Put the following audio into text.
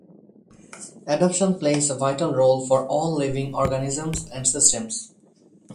Adaptation plays a vital role for all living organisms and systems.